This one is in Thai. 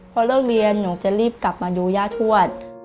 พอเลิกเรียนหนูจะรีบกลับมาดูย่าทวด